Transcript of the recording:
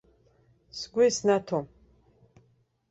Сгәы иснаҭом.